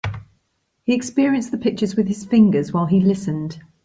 He experienced the pictures with his fingers while he listened.